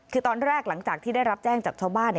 คือตอนแรกหลังจากที่ได้รับแจ้งจากชาวบ้าน